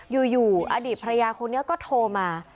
อยู่อดีตภรรยาคนนี้ก็โทรมา